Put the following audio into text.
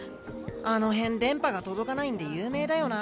あの辺電波が届かないんで有名だよな